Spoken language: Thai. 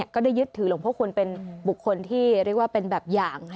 ก็ได้ยึดถือหลวงพ่อคุณเป็นบุคคลที่เรียกว่าเป็นแบบอย่าง